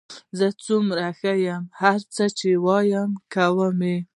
زه څومره ښه یم، هر څه چې وایې کوم یې.